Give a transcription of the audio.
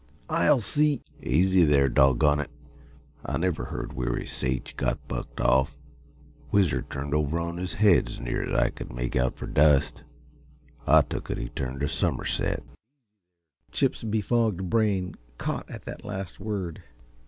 I'll see " "Easy there, doggone it. I never heard Weary say't yuh got bucked off. Whizzer turned over on his head, 's near as I c'd make out fer dust. I took it he turned a summerset." Chip's befogged brain caught at the last word.